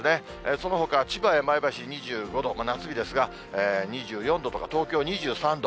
そのほか千葉や前橋２５度、夏日ですが、２４度とか、東京２３度。